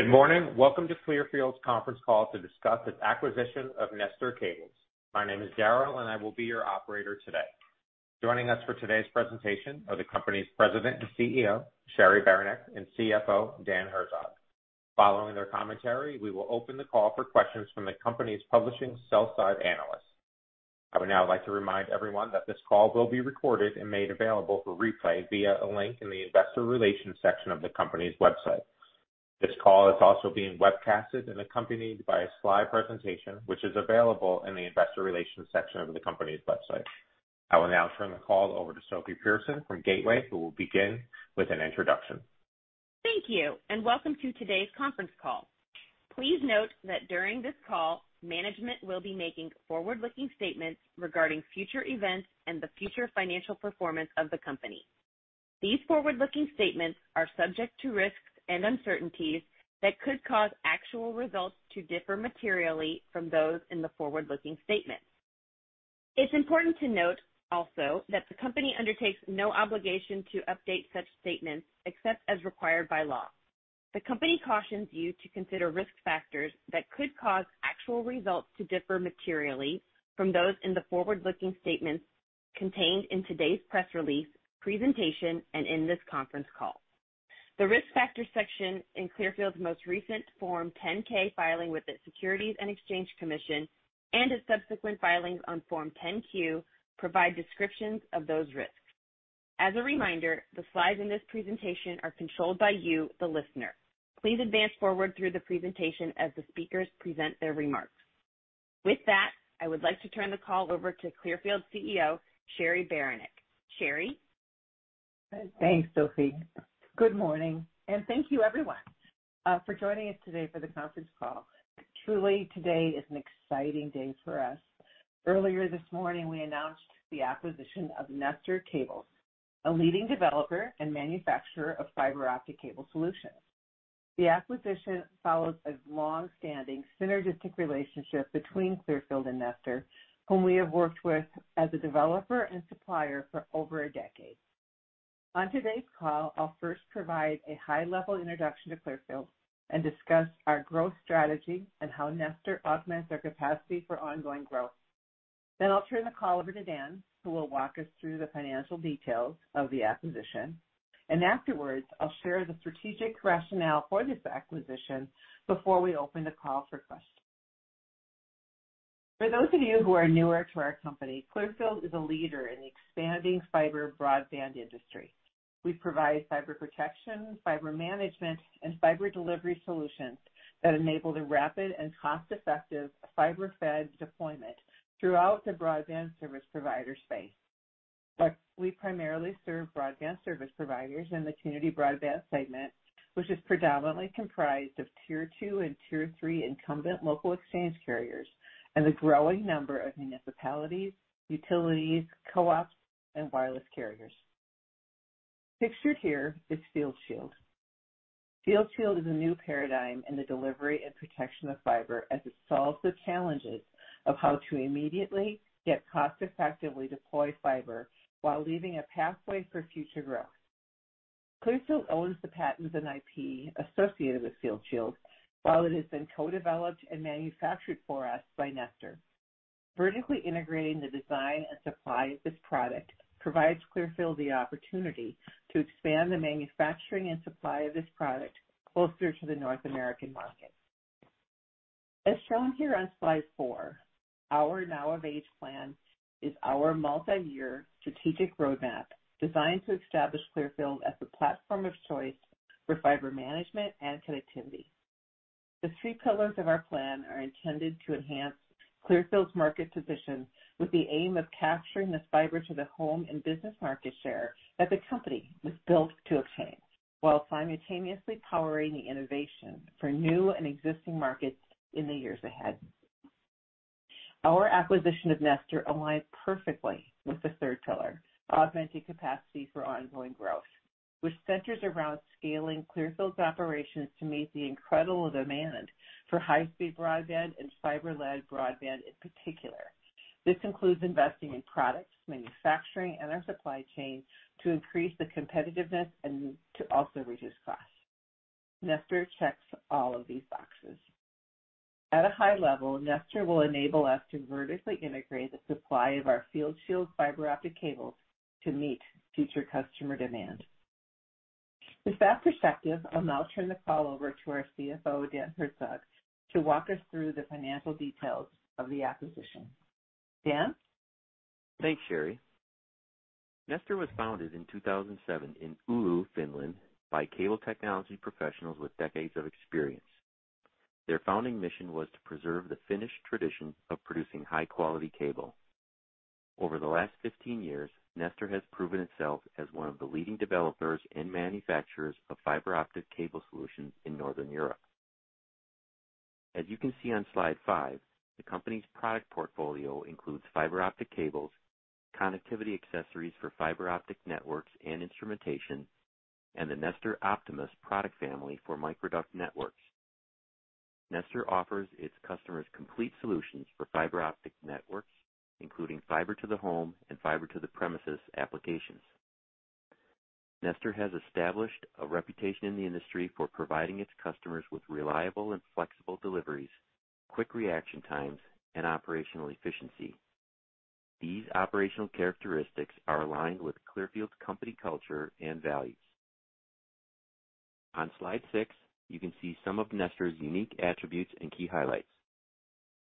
Good morning. Welcome to Clearfield's conference call to discuss its acquisition of Nestor Cables. My name is Daryl, and I will be your operator today. Joining us for today's presentation are the company's President and CEO, Cheri Beranek, and CFO, Dan Herzog. Following their commentary, we will open the call for questions from the company's participating sell-side analysts. I would now like to remind everyone that this call will be recorded and made available for replay via a link in the investor relations section of the company's website. This call is also being webcast and accompanied by a slide presentation which is available in the investor relations section of the company's website. I will now turn the call over to Sophie Pearson from Gateway, who will begin with an introduction. Thank you, and welcome to today's conference call. Please note that during this call, management will be making forward-looking statements regarding future events and the future financial performance of the company. These forward-looking statements are subject to risks and uncertainties that could cause actual results to differ materially from those in the forward-looking statements. It's important to note also that the company undertakes no obligation to update such statements except as required by law. The company cautions you to consider risk factors that could cause actual results to differ materially from those in the forward-looking statements contained in today's press release, presentation, and in this conference call. The Risk Factors section in Clearfield's most recent Form 10-K filing with the Securities and Exchange Commission and its subsequent filings on Form 10-Q provide descriptions of those risks. As a reminder, the slides in this presentation are controlled by you, the listener. Please advance forward through the presentation as the speakers present their remarks. With that, I would like to turn the call over to Clearfield CEO, Cheri Beranek. Cheri? Thanks, Sophie. Good morning, and thank you, everyone, for joining us today for the conference call. Truly, today is an exciting day for us. Earlier this morning, we announced the acquisition of Nestor Cables, a leading developer and manufacturer of fiber optic cable solutions. The acquisition follows a long-standing synergistic relationship between Clearfield and Nestor, whom we have worked with as a developer and supplier for over a decade. On today's call, I'll first provide a high level introduction to Clearfield and discuss our growth strategy and how Nestor augments our capacity for ongoing growth. I'll turn the call over to Dan, who will walk us through the financial details of the acquisition, and afterwards I'll share the strategic rationale for this acquisition before we open the call for questions. For those of you who are newer to our company, Clearfield is a leader in the expanding fiber broadband industry. We provide fiber protection, fiber management, and fiber delivery solutions that enable the rapid and cost-effective fiber-fed deployment throughout the broadband service provider space. We primarily serve broadband service providers in the community broadband segment, which is predominantly comprised of Tier 2 and Tier 3 incumbent local exchange carriers, and the growing number of municipalities, utilities, co-ops, and wireless carriers. Pictured here is FieldShield. FieldShield is a new paradigm in the delivery and protection of fiber as it solves the challenges of how to immediately, yet cost-effectively deploy fiber while leaving a pathway for future growth. Clearfield owns the patents and IP associated with FieldShield, while it has been co-developed and manufactured for us by Nestor. Vertically integrating the design and supply of this product provides Clearfield the opportunity to expand the manufacturing and supply of this product closer to the North American market. As shown here on slide four, our Nova plan is our multi-year strategic roadmap designed to establish Clearfield as the platform of choice for fiber management and connectivity. The three pillars of our plan are intended to enhance Clearfield's market position with the aim of capturing the Fiber to the Home and business market share that the company was built to obtain, while simultaneously powering the innovation for new and existing markets in the years ahead. Our acquisition of Nestor aligns perfectly with the third pillar, augmented capacity for ongoing growth, which centers around scaling Clearfield's operations to meet the incredible demand for high-speed broadband and fiber-led broadband in particular. This includes investing in products, manufacturing, and our supply chain to increase the competitiveness and to also reduce costs. Nestor checks all of these boxes. At a high level, Nestor will enable us to vertically integrate the supply of our FieldShield fiber optic cables to meet future customer demand. With that perspective, I'll now turn the call over to our CFO, Dan Herzog, to walk us through the financial details of the acquisition. Dan? Thanks, Cheri. Nestor was founded in 2007 in Oulu, Finland, by cable technology professionals with decades of experience. Their founding mission was to preserve the Finnish tradition of producing high-quality cable. Over the last 15 years, Nestor has proven itself as one of the leading developers and manufacturers of fiber optic cable solutions in Northern Europe. As you can see on slide five, the company's product portfolio includes fiber optic cables, connectivity accessories for fiber optic networks and instrumentation, and the Nestor Optimus product family for microduct networks. Nestor offers its customers complete solutions for fiber optic networks, including Fiber to the Home and Fiber to the Premises applications. Nestor has established a reputation in the industry for providing its customers with reliable and flexible deliveries, quick reaction times, and operational efficiency. These operational characteristics are aligned with Clearfield's company culture and values. On slide six, you can see some of Nestor's unique attributes and key highlights.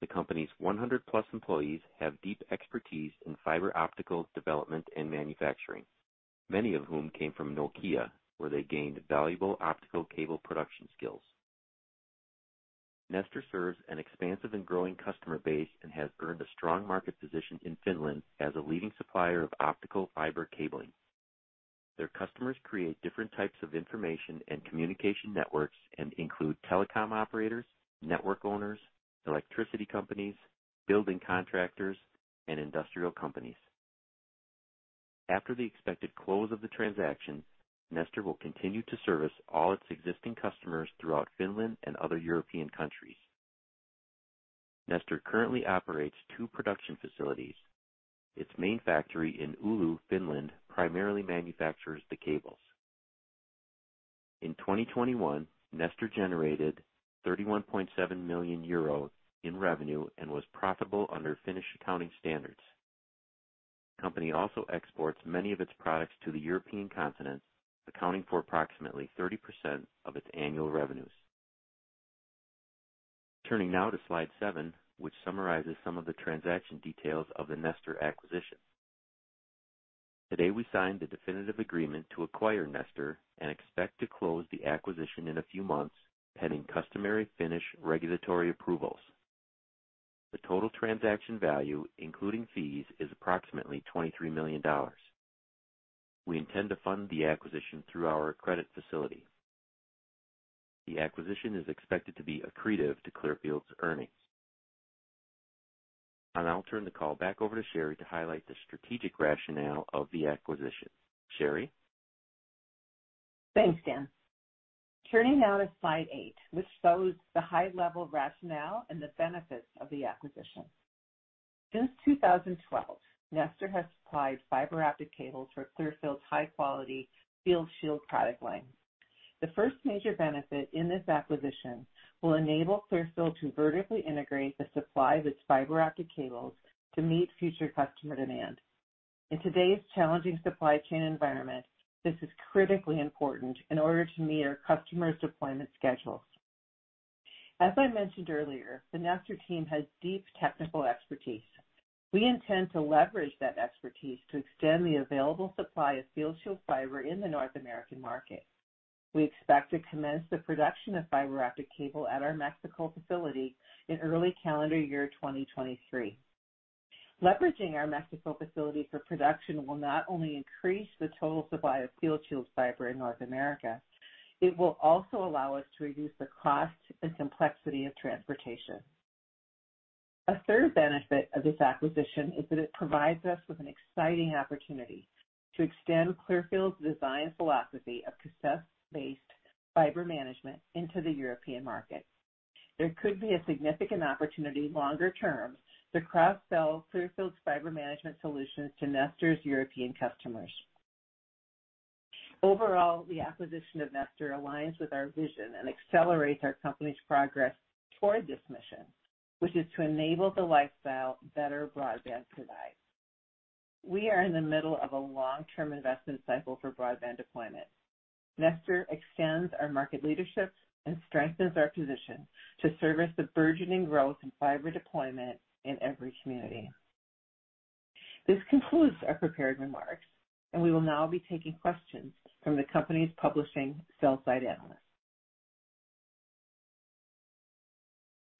The company's 100+ employees have deep expertise in fiber optic development and manufacturing, many of whom came from Nokia, where they gained valuable optical cable production skills. Nestor serves an expansive and growing customer base and has earned a strong market position in Finland as a leading supplier of optical fiber cabling. Their customers create different types of information and communication networks and include telecom operators, network owners, electricity companies, building contractors, and industrial companies. After the expected close of the transaction, Nestor will continue to service all its existing customers throughout Finland and other European countries. Nestor currently operates two production facilities. Its main factory in Oulu, Finland, primarily manufactures the cables. In 2021, Nestor generated 31.7 million euro in revenue and was profitable under Finnish accounting standards. Company also exports many of its products to the European continent, accounting for approximately 30% of its annual revenues. Turning now to slide seven, which summarizes some of the transaction details of the Nestor acquisition. Today, we signed the definitive agreement to acquire Nestor and expect to close the acquisition in a few months, pending customary Finnish regulatory approvals. The total transaction value, including fees, is approximately $23 million. We intend to fund the acquisition through our credit facility. The acquisition is expected to be accretive to Clearfield's earnings. I'll turn the call back over to Cheri to highlight the strategic rationale of the acquisition. Cheri? Thanks, Dan. Turning now to slide eight, which shows the high-level rationale and the benefits of the acquisition. Since 2012, Nestor has supplied fiber optic cables for Clearfield's high-quality FieldShield product line. The first major benefit in this acquisition will enable Clearfield to vertically integrate the supply of its fiber optic cables to meet future customer demand. In today's challenging supply chain environment, this is critically important in order to meet our customers' deployment schedules. As I mentioned earlier, the Nestor team has deep technical expertise. We intend to leverage that expertise to extend the available supply of FieldShield fiber in the North American market. We expect to commence the production of fiber optic cable at our Mexico facility in early calendar year 2023. Leveraging our Mexico facility for production will not only increase the total supply of FieldShield's fiber in North America, it will also allow us to reduce the cost and complexity of transportation. A third benefit of this acquisition is that it provides us with an exciting opportunity to extend Clearfield's design philosophy of cassette-based fiber management into the European market. There could be a significant opportunity longer term to cross-sell Clearfield's fiber management solutions to Nestor's European customers. Overall, the acquisition of Nestor aligns with our vision and accelerates our company's progress toward this mission, which is to enable the lifestyle better broadband provides. We are in the middle of a long-term investment cycle for broadband deployment. Nestor extends our market leadership and strengthens our position to service the burgeoning growth in fiber deployment in every community. This concludes our prepared remarks, and we will now be taking questions from the participating sell-side analysts.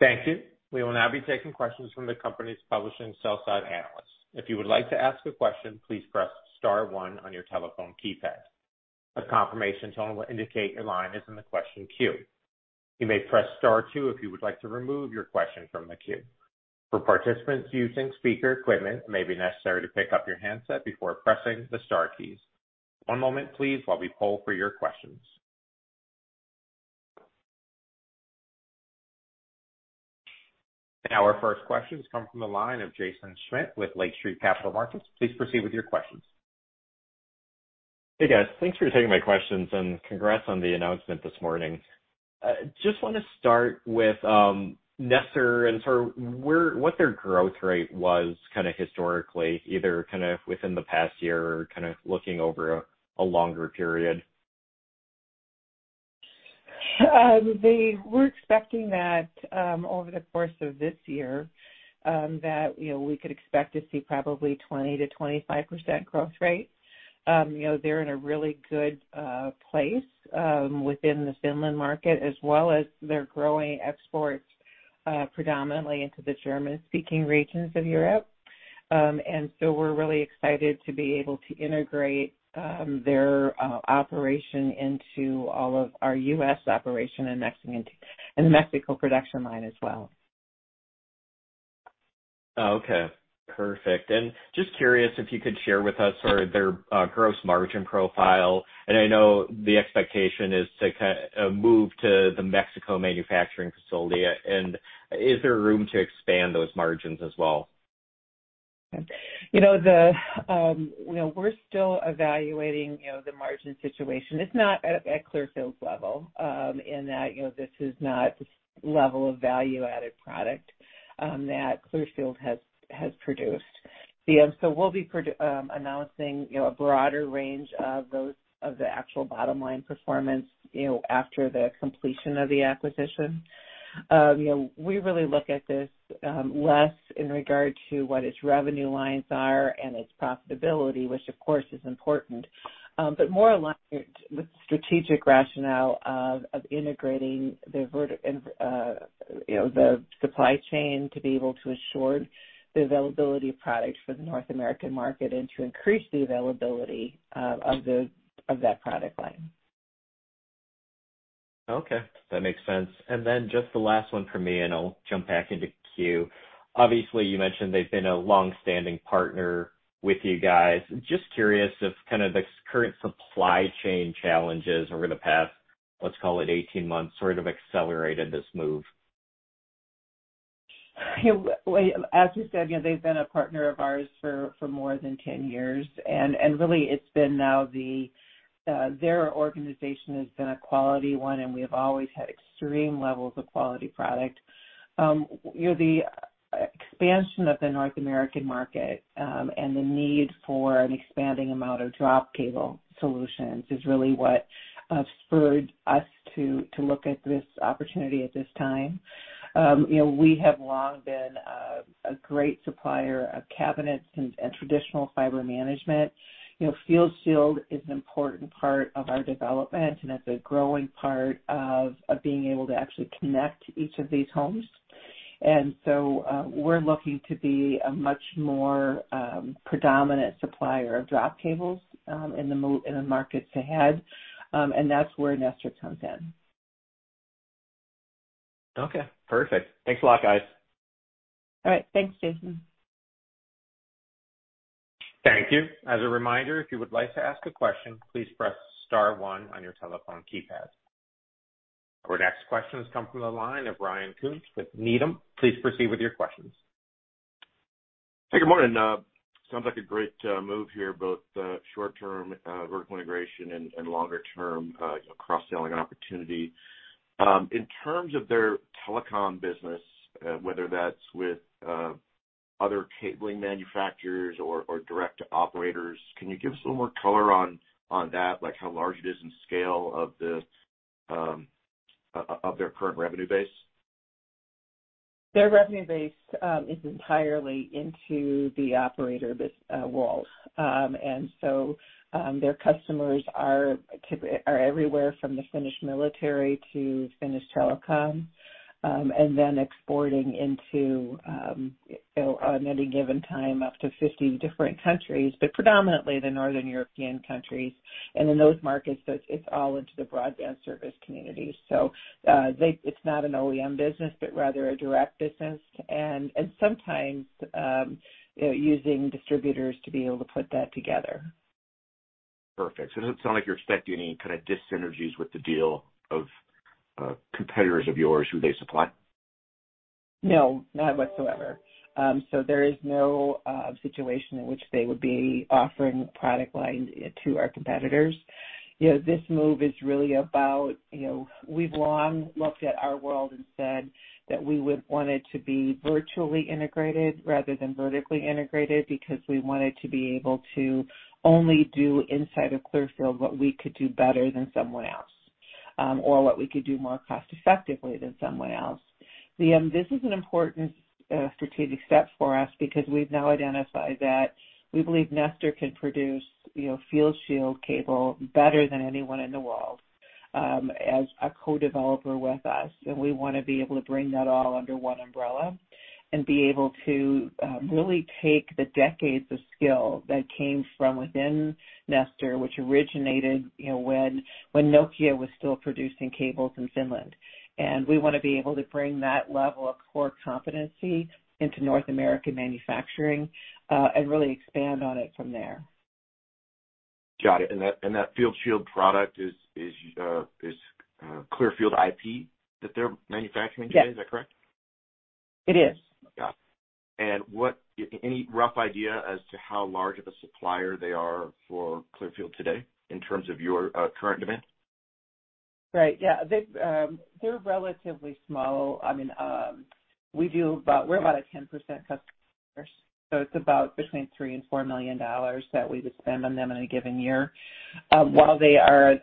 Thank you. We will now be taking questions from the company's publishing sell-side analysts. If you would like to ask a question, please press star one on your telephone keypad. A confirmation tone will indicate your line is in the question queue. You may press star two if you would like to remove your question from the queue. For participants using speaker equipment, it may be necessary to pick up your handset before pressing the star keys. One moment, please, while we poll for your questions. Our first questions come from the line of Jaeson Schmidt with Lake Street Capital Markets. Please proceed with your questions. Hey, guys. Thanks for taking my questions, and congrats on the announcement this morning. Just wanna start with Nestor and sort of what their growth rate was kinda historically, either kind of within the past year or kind of looking over a longer period. We're expecting that over the course of this year, you know, we could expect to see probably 20%-25% growth rate. You know, they're in a really good place within the Finnish market, as well as they're growing exports predominantly into the German-speaking regions of Europe. We're really excited to be able to integrate their operation into all of our U.S. operation and Mexico production line as well. Oh, okay. Perfect. Just curious if you could share with us sort of their gross margin profile. I know the expectation is to move to the Mexico manufacturing facility. Is there room to expand those margins as well? You know, we're still evaluating, you know, the margin situation. It's not at Clearfield's level, in that, you know, this is not the level of value-added product, that Clearfield has produced. We'll be announcing, you know, a broader range of those, of the actual bottom-line performance, you know, after the completion of the acquisition. You know, we really look at this, less in regard to what its revenue lines are and its profitability, which of course is important, but more aligned with strategic rationale of integrating and, you know, the supply chain to be able to assure the availability of product for the North American market and to increase the availability, of the, of that product line. Okay, that makes sense. Just the last one from me, and I'll jump back into queue. Obviously, you mentioned they've been a long-standing partner with you guys. Just curious if kind of the current supply chain challenges over the past, let's call it 18 months, sort of accelerated this move? As you said, you know, they've been a partner of ours for more than 10 years, and really it's been now the their organization has been a quality one, and we have always had extreme levels of quality product. You know, the expansion of the North American market, and the need for an expanding amount of drop cable solutions is really what spurred us to look at this opportunity at this time. You know, we have long been a great supplier of cabinets and traditional fiber management. You know, FieldShield is an important part of our development and it's a growing part of being able to actually connect each of these homes. We're looking to be a much more predominant supplier of drop cables in the markets ahead, and that's where Nestor comes in. Okay, perfect. Thanks a lot, guys. All right. Thanks, Jaeson. Thank you. As a reminder, if you would like to ask a question, please press star one on your telephone keypad. Our next question has come from the line of Ryan Koontz with Needham. Please proceed with your questions. Hey, good morning. Sounds like a great move here, both short-term vertical integration and longer-term, you know, cross-selling opportunity. In terms of their telecom business, whether that's with other cabling manufacturers or direct operators, can you give us a little more color on that? Like how large it is in scale of their current revenue base? Their revenue base is entirely into the operator world. Their customers are everywhere from the Finnish military to Finnish telecom, and then exporting into, you know, on any given time, up to 50 different countries, but predominantly the Northern European countries. In those markets, it's all into the broadband service community. It's not an OEM business, but rather a direct business and sometimes using distributors to be able to put that together. Perfect. It doesn't sound like you're expecting any kinda dis-synergies with the deal of, competitors of yours who they supply? No, not whatsoever. There is no situation in which they would be offering product lines to our competitors. You know, this move is really about, you know, we've long looked at our world and said that we would want it to be virtually integrated rather than vertically integrated, because we wanted to be able to only do inside of Clearfield what we could do better than someone else, or what we could do more cost-effectively than someone else. This is an important strategic step for us because we've now identified that we believe Nestor can produce, you know, FieldShield cable better than anyone in the world, as a co-developer with us. We wanna be able to bring that all under one umbrella and be able to really take the decades of skill that came from within Nestor, which originated, you know, when Nokia was still producing cables in Finland. We wanna be able to bring that level of core competency into North American manufacturing and really expand on it from there. Got it. That FieldShield product is Clearfield IP that they're manufacturing today. Yes. Is that correct? It is. Got it. What, any rough idea as to how large of a supplier they are for Clearfield today in terms of your current demand? Right. Yeah. They've, they're relatively small. I mean, we're about 10% customers, so it's about between $3 million and $4 million that we would spend on them in a given year. While they are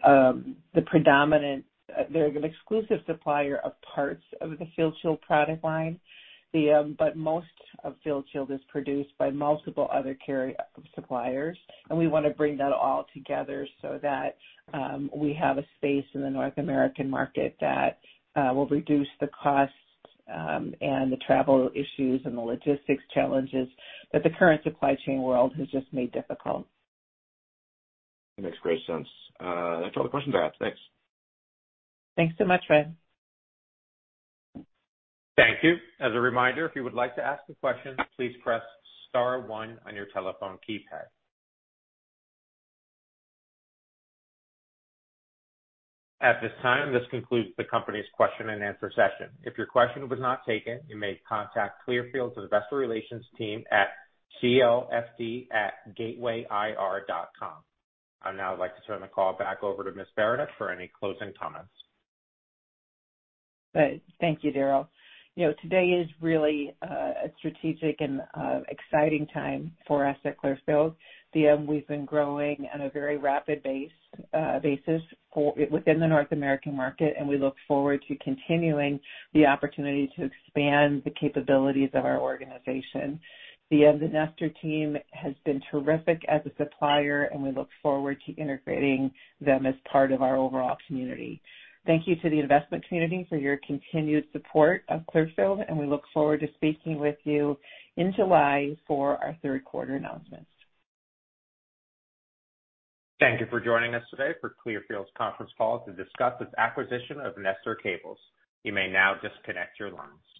the predominant, they're an exclusive supplier of parts of the FieldShield product line. But most of FieldShield is produced by multiple other cable suppliers, and we wanna bring that all together so that we have a space in the North American market that will reduce the costs and the travel issues and the logistics challenges that the current supply chain world has just made difficult. That makes great sense. That's all the questions I have. Thanks. Thanks so much, Ryan. Thank you. As a reminder, if you would like to ask a question, please press star one on your telephone keypad. At this time, this concludes the company's question-and-answer session. If your question was not taken, you may contact Clearfield's investor relations team at clfd@gatewayir.com. I'd now like to turn the call back over to Ms. Beranek for any closing comments. Right. Thank you, Daryl. You know, today is really a strategic and exciting time for us at Clearfield. We've been growing on a very rapid basis within the North American market, and we look forward to continuing the opportunity to expand the capabilities of our organization. The Nestor team has been terrific as a supplier, and we look forward to integrating them as part of our overall community. Thank you to the investment community for your continued support of Clearfield, and we look forward to speaking with you in July for our third quarter announcements. Thank you for joining us today for Clearfield's conference call to discuss its acquisition of Nestor Cables. You may now disconnect your lines.